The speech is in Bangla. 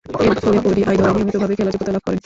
এরফলে ওডিআই দলে নিয়মিতভাবে খেলার যোগ্যতা লাভ করেন।